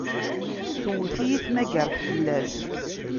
Tewwet-iyi tmaggart fell-as.